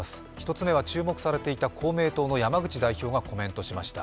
１つ目は注目されていた公明党の山口代表が公表しました。